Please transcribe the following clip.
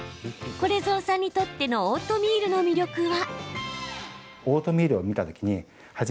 これぞうさんにとってのオートミールの魅力は。